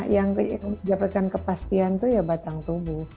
yang dapatkan kepastian itu ya batang tubuh